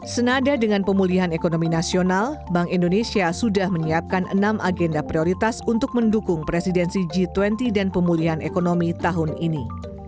senada dengan pemulihan ekonomi nasional bank indonesia sudah menyiapkan enam agenda prioritas untuk mendukung presidensi g dua puluh dan pemulihan ekonomi tahun ini